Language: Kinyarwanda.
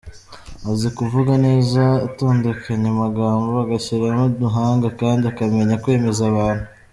Azi kuvuga neza atondekanya amagambo, agashyiramo ubuhanga kandi akamenya kwemeza abantu.